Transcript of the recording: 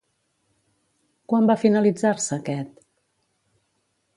Quan va finalitzar-se aquest?